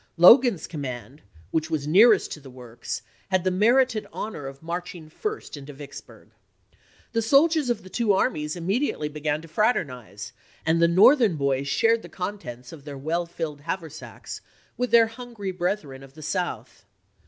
Logan's command, which was nearest to the works, had the merited honor of marching first into Vicksburg. The soldiers of the two armies immediately began to fraternize, and the Northern boys shared the contents of their well filled haversacks with their hungry brethren of the South.